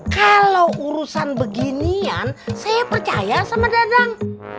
kalau urusan beginian saya percaya sama dadang